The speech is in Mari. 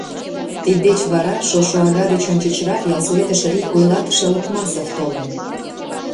Тиддеч вара, шошо ага деч ончычрак, ялсоветыш РИК вуйлатыше Локмасов толын.